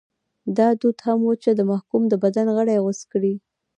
دا دود هم و چې د محکوم د بدن غړي غوڅ کړي.